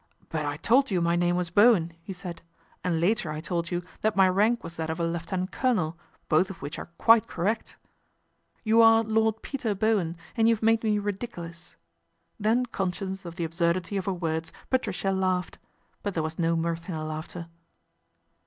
" But I told you my name was Bowen," he said " and later I told you that my rank was that of a lieutenant colonel, both of which arc quite correct." ' You are Lord Peter Bowen, and you've made me ridiculous," then conscious of the absurdity of her words, Patricia laughed ; but there was no mirth in her laughter.